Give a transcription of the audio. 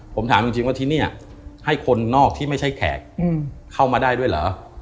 ผมถามจริงว่าที่นี่ให้คนนอกที่ไม่ใช่แขกเข้ามาได้ด้วยเหรอ